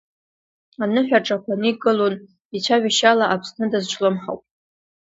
Аныҳәаҿақәа никылон, ицәажәашьала, Аԥсны дазҿлымҳауп.